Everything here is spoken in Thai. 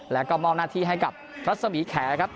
แล้วก็มอบหน้าที่ให้กับรัศมีแขครับ